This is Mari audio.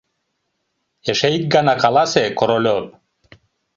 Эше ик гана каласе, Королёв?